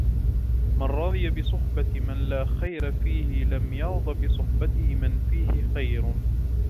مَنْ رَضِيَ بِصُحْبَةِ مَنْ لَا خَيْرَ فِيهِ لَمْ يَرْضَ بِصُحْبَتِهِ مَنْ فِيهِ خَيْرٌ